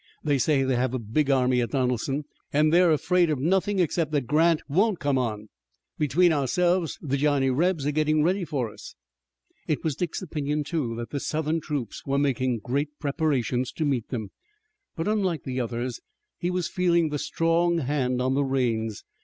They say they have a big army at Donelson, and they're afraid of nothing except that Grant won't come on. Between ourselves, the Johnny Rebs are getting ready for us." It was Dick's opinion, too, that the Southern troops were making great preparations to meet them, but, like the others, he was feeling the strong hand on the reins.